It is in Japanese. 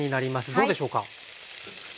どうでしょうか。